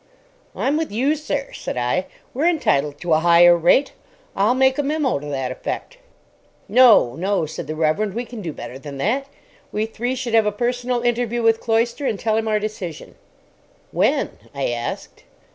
"I'm with you, sir," said I. "We're entitled to a higher rate, I'll make a memo to that effect." "No, no," said the Reverend. "We can do better than that. We three should have a personal interview with Cloyster and tell him our decision." "When?" I asked.